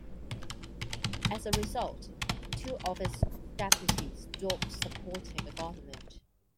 As a result two of its deputies stopped supporting the government.